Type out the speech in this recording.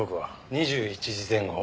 ２１時前後。